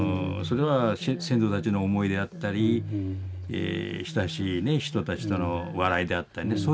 それは先祖たちの思いであったり親しい人たちとの笑いであったりね